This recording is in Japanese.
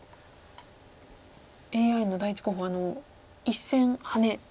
ＡＩの第１候補１線ハネ。